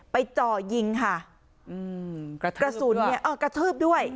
จ่อยิงค่ะอืมกระสุนเนี่ยเออกระทืบด้วย